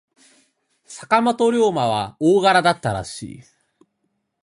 坂本龍馬は大柄だったらしい。